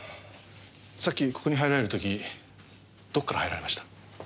さっきここに入られる時どこから入られました？